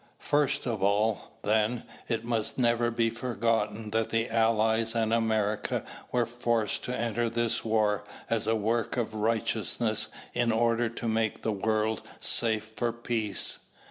First of all, then, it must never be forgotten that the Allies and America were forced to enter this war as a work of righteousness in order to make the world safe for peace.